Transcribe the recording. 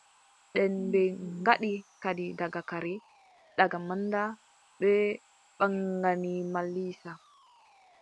Nden ɓe gaddi kadi daga kare, daga manda, ɓe mbaagani Mal Iiisa.